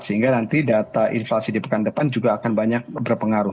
sehingga nanti data inflasi di pekan depan juga akan banyak berpengaruh